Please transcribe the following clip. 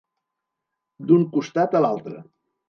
D'un costat a l'altre.